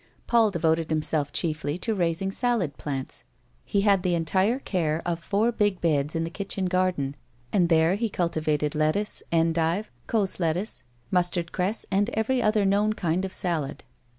Paul devoted himself chiefly to raising salad plants. He had the entire care of four big beds in the kitchen garden, and there he cultivated lettuce, endive, cos lettuce, mustardcress, and every other known kind of salad.